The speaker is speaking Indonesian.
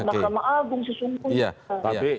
mahkamah agung sesungguhnya